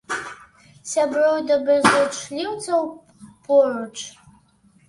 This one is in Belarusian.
Сяброў і добразычліўцаў поруч!